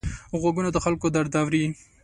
غوږونه د خلکو درد اوري